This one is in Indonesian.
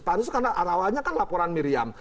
pansus karena awalnya kan laporan miriam